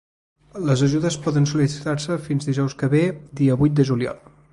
Les ajudes poden sol·licitar-se fins dijous que ve dia vuit de juliol.